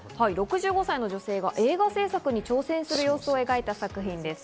６５歳の女性が映画製作に挑戦する様子を描いた作品です。